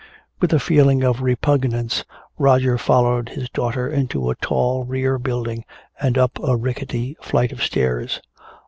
With a feeling of repugnance Roger followed his daughter into a tall rear building and up a rickety flight of stairs.